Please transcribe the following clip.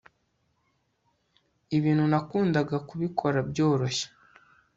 Ibintu nakundaga kubikora byoroshye